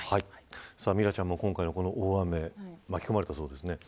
ミラちゃんも、今回の大雨巻き込まれたそうですね。